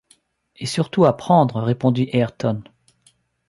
Et surtout à prendre! répondit Ayrton.